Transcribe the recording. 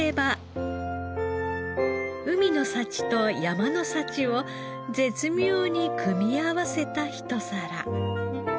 海の幸と山の幸を絶妙に組み合わせた一皿。